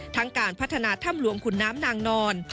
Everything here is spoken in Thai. การพัฒนาถ้ำหลวงขุนน้ำนางนอน